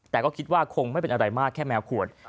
แต่ก็คิดว่าคงไม่เป็นอะไรมากแค่แมวขวด